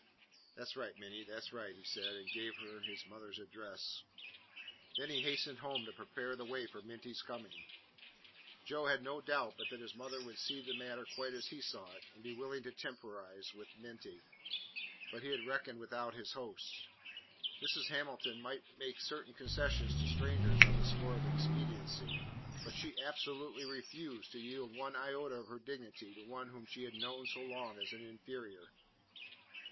"That 's right, Minty, that 's right," he said, and gave her his mother's address. Then he hastened home to prepare the way for Minty's coming. Joe had no doubt but that his mother would see the matter quite as he saw it, and be willing to temporise with Minty; but he had reckoned without his host. Mrs. Hamilton might make certain concessions to strangers on the score of expediency, but she absolutely refused to yield one iota of her dignity to one whom she had known so long as an inferior.